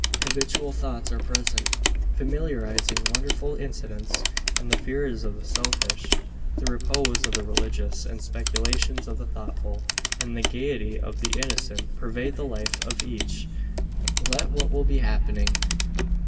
Habitual thoughts are present, familiarising wonderful incidents; and the fears of the selfish, the repose of the religious, the speculations of the thoughtful, and the gaiety of the innocent, pervade the life of each, let what will be happening.